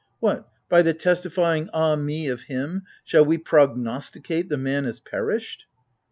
What, by the testifying " Ah me " of him, Shall we prognosticate the man as perished